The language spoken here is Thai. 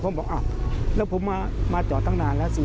ผมบอกอ้าวแล้วผมมาจอดตั้งนานแล้วสิ